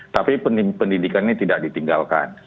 tapi pendidikan ini tidak ditinggalkan